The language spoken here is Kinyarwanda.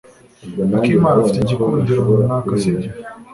akimana afite igikundiro runaka, sibyo?